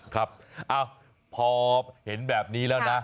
ครับพอเห็นแบบนี้แล้วนะ